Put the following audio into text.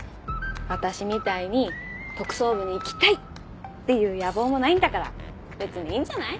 私みたいに「特捜部に行きたい！」っていう野望もないんだから別にいいんじゃない？